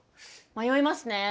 迷いますね。